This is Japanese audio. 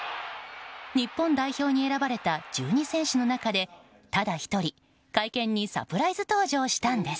日本代表に選ばれた１２選手の中でただ１人、会見にサプライズ登場したんです。